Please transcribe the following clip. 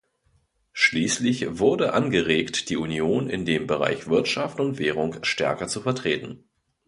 Schließlich wurde angeregt, die Union in dem Bereich Wirtschaft und Währung stärker zu vertreten.